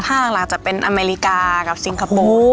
ภาคหลังจะเป็นอเมริกากับซิงคโปร์